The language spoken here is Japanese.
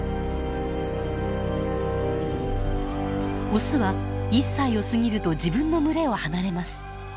オスは１歳を過ぎると自分の群れを離れます。